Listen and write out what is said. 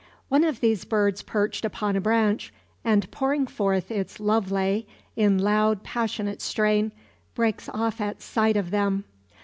One of these birds perched upon a branch, and pouring forth its love lay in loud passionate strain, breaks off at sight of them.